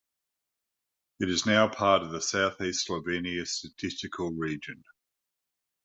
It is now part of the Southeast Slovenia Statistical Region.